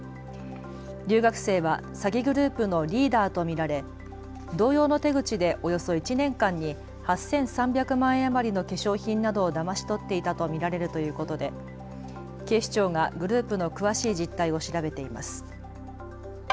留学生は詐欺グループのリーダーと見られ同様の手口でおよそ１年間に８３００万円余りの化粧品などをだまし取っていたと見られるということで警視庁がグループの詳しい実態を調べています。